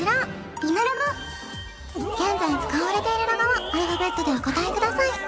今ロゴ現在使われているロゴをアルファベットでお答えください